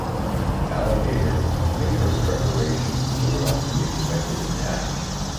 "Alligator" made her preparations to ward off the expected attack.